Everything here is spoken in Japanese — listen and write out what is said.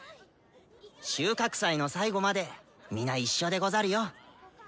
収穫祭の最後まで皆一緒でござるよ。